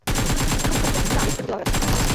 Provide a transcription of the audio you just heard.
Takový postup by vám jistě udělal radost.